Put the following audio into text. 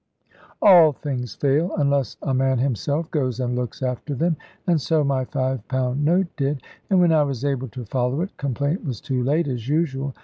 All things fail, unless a man himself goes and looks after them. And so my £5 note did; and when I was able to follow it, complaint was too late, as usual.